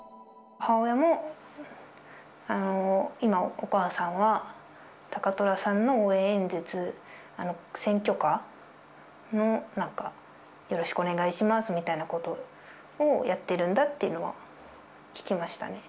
母親も今、お母さんは貴虎さんの応援演説、選挙カーの、よろしくお願いしますみたいなことをやってるんだっていうのを聞きましたね。